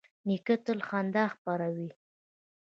نیکه تل خندا خپروي.